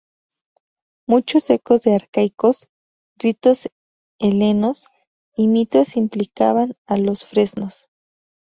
Muchos ecos de arcaicos ritos helenos y mitos implicaban a los fresnos.